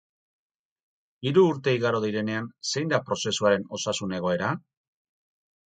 Hiru urte igaro direnean, zein da prozesuaren osasun egoera?